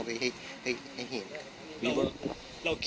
มันไม่ใช่แหละมันไม่ใช่แหละ